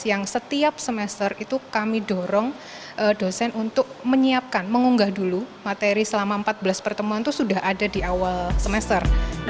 yang setiap semester itu kami dorong dosen untuk menyiapkan mengunggah dulu materi selama empat belas pertemuan itu sudah ada di awal semester